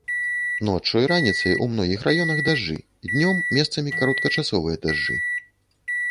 Ноччу і раніцай у многіх раёнах дажджы, днём месцамі кароткачасовыя дажджы.